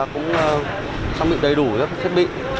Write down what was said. cũng trang bị đầy đủ các thiết bị